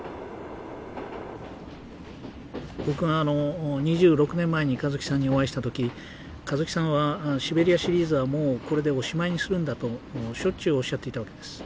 僕が２６年前に香月さんにお会いした時香月さんは「『シベリア・シリーズ』はもうこれでおしまいにするんだ」としょっちゅうおっしゃっていたわけです。